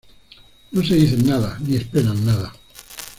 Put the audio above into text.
No se dicen nada ni esperan nada.